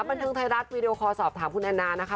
บันเทิงไทยรัฐวีดีโอคอลสอบถามคุณแอนนานะคะ